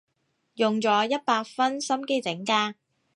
用咗一百分心機整㗎